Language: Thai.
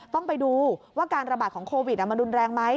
ต้องไปดูว่าการระบาดของโควิดมันรุนแรงไหม